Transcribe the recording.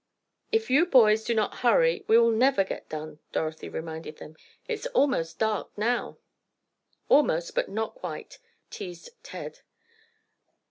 "If you boys do not hurry we will never get done," Dorothy reminded them. "It's almost dark now." "Almost, but not quite," teased Ted.